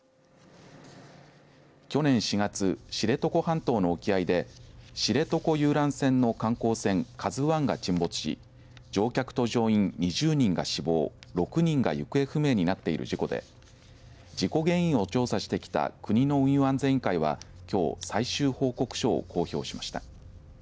去年４月、知床半島の沖合で知床遊覧船の観光船ＫＡＺＵＩが沈没し乗客と乗員２０人が死亡６人が行方不明になっている事故で事故原因を調査してきた国の運輸安全委員会はきょう最終報告書を公表しました。